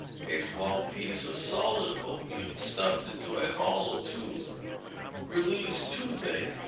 A small piece of solid opium stuffed into a hollow tooth relieves toothache.